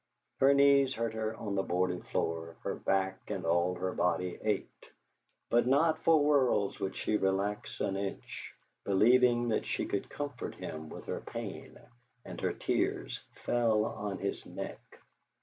Her knees hurt her on the boarded floor, her back and all her body ached; but not for worlds would she relax an inch, believing that she could comfort him with her pain, and her tears fell on his neck.